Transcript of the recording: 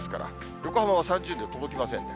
横浜は３０度に届きませんね。